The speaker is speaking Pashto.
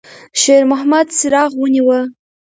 شېرمحمد څراغ ونیوه.